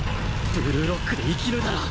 ブルーロックで生きるなら